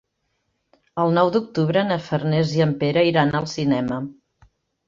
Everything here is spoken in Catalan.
El nou d'octubre na Farners i en Pere iran al cinema.